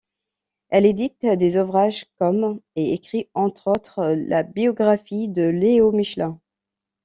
Elle édite des ouvrages comme et écrit, entre autres, la biographie de Leo Mechelin.